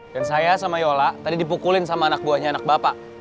dan saya sama yola tadi dipukulin sama anak buahnya anak bapak